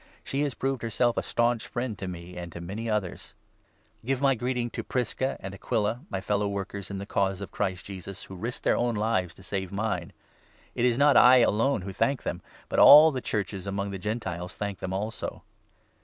She has proved herself a staunch friend to me and to many others. Personal Give my greeting to Prisca and Aquila, my 3 Greetings, fellow workers in the Cause of Christ Jesus, who risked their own lives to save mine. It is not I 4 alone who thank them, but all the Churches among the Gentiles thank them also.